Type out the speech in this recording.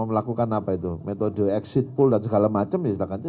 melakukan apa itu metode exit pool dan segala macam ya